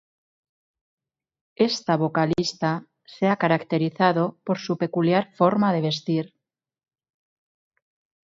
Esta vocalista se ha caracterizado por su peculiar forma de vestir.